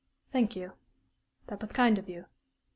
"Thank you. That was kind of you.